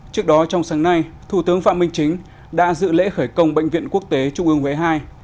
trước đó trong sáng nay thủ tướng phạm minh chính đã dự lễ khởi công bệnh viện quốc tế trung ương huế ii